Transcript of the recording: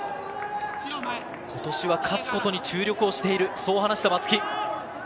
今年は勝つことに注力をしている、そう話した松木。